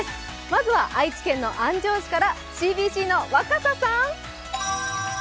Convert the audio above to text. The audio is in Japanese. まずは愛知県の安城市からＣＢＣの若狭さん。